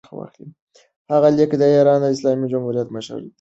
هغه لیک د ایران اسلامي جمهوریت مشر ته د دوستۍ او باور څرګندونه ده.